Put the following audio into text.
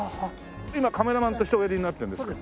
今カメラマンとしておやりになってるんですか？